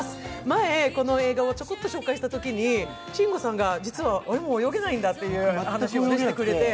前、この映画をちょこっと紹介したときに慎吾さんが実は俺も泳げないんだという話をしてくれて。